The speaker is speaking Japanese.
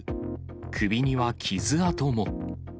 首には傷跡も。